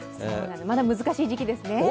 まだ、難しい時期ですね。